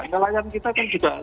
nelayan kita kan juga